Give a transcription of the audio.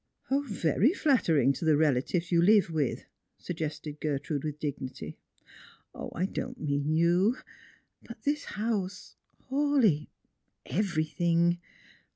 " Very flattering to the relatives you live with," suggested Gertrude with dignity. " 0, I don't mean you ; but this house, Hawleigh, everything.